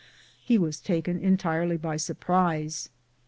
He was taken entirely by surprise.